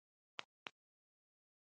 چې زه رښتیا ویلی نه شم.